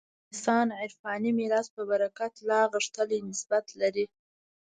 افغانستان عرفاني میراث په برکت لا غښتلی نسبت لري.